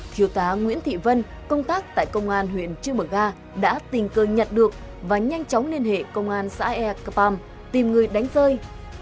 thiếu tá nguyễn thị vân công tác tại công an huyện trư mở ga đã tình cơ nhặt được và nhanh chóng liên hệ công an xã ea cơpam tìm người đánh rơi